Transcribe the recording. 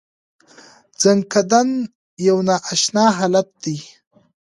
ځنکدن یو نا اشنا حالت دی .